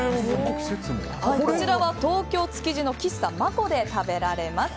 こちらは東京・築地の喫茶マコで食べられます。